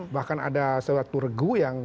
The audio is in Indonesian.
bahkan ada seorang turgu yang